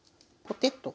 ポテッと！